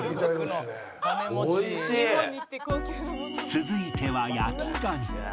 続いては焼き蟹